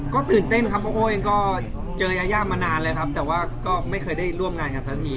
ก็ตื่นเต้นครับเพราะโอ้เองก็เจอยายามานานเลยครับแต่ว่าก็ไม่เคยได้ร่วมงานกันสักที